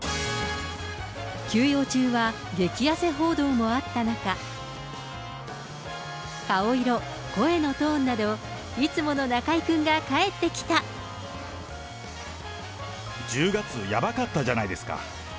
休養中は激やせ報道もあった中、顔色、声のトーンなど、１０月、やばかったじゃないですか。